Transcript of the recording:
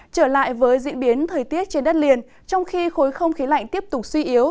trở lại với diễn biến thời tiết trên đất liền trong khi khối không khí lạnh tiếp tục suy yếu